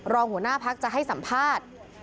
รองหัวหน้าพักจะให้สัมภาษณ์